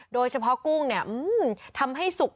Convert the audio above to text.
โดยเฉพาะกุ้งเนี่ยอืม